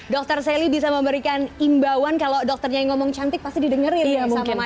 dokter selly bisa memberikan imbauan kalau dokternya yang ngomong cantik pasti didengerin sama masyarakat ya